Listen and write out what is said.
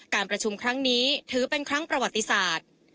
การประชุมครั้งนี้ถือเป็นครั้งประวัติศาสตร์